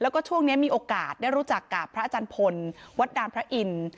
แล้วก็ช่วงนี้มีโอกาสได้รู้จักกับพระอาจารย์พลวัดดานพระอินทร์